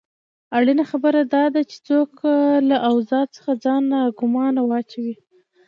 اړینه خبره داده چې څوک له اوضاع څخه ځان ناګومانه واچوي.